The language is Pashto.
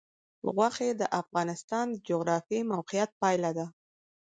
غوښې د افغانستان د جغرافیایي موقیعت پایله ده.